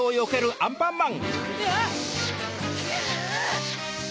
アンパンマン！